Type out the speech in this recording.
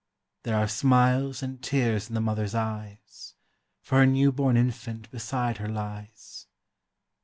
There are smiles and tears in the mother's eyes, For her new born infant beside her lies.